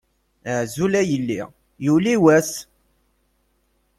Azul a yelli, yuli wass!